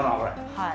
はい。